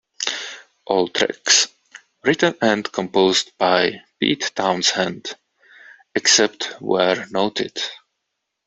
All tracks written and composed by Pete Townshend, except where noted.